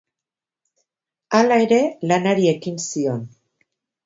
Hala ere, lanari ekin zion.